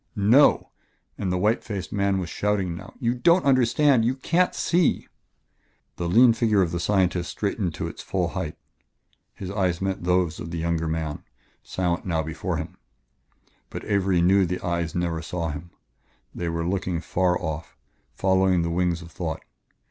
"No!" and the white faced man was shouting now "you don't understand you can't see " The lean figure of the scientist straightened to its full height. His eyes met those of the younger man, silent now before him, but Avery knew the eyes never saw him; they were looking far off, following the wings of thought.